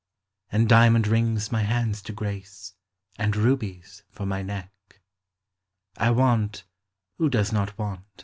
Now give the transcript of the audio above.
And diamond rings my hands to graces, And rubies for my neck. I want (who does not want